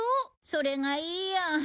それがいいよ。